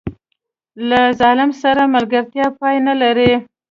له ظالم سره ملګرتیا پای نه لري.